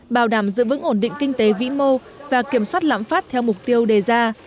bảo đảm giữ vững ổn định kinh tế vĩ mô và kiểm soát lãm phát theo mục tiêu đề ra